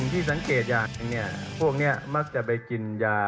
ที่สังเกตอย่างหนึ่งพวกนี้มักจะไปกินยา